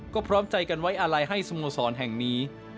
ก็พร้อมใจกันไว้อาลัยให้สโมสรแห่งนี้